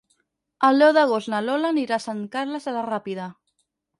El deu d'agost na Lola anirà a Sant Carles de la Ràpita.